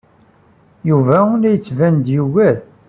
Yuba la yettban-d yugad.